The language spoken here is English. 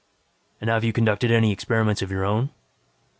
"And have you conducted any experiments of your own?"